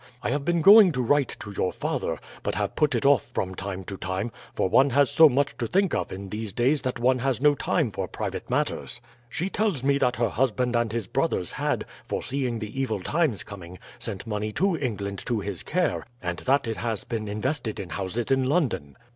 I have been going to write to your father, but have put it off from time to time, for one has so much to think of in these days that one has no time for private matters. She tells me that her husband and his brothers had, foreseeing the evil times coming, sent money to England to his care, and that it has been invested in houses in London."